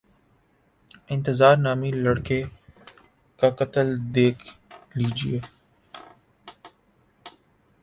انتظار نامی لڑکے کا قتل دیکھ لیجیے۔